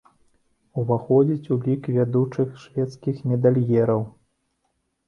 Уваходзіць у лік вядучых шведскіх медальераў.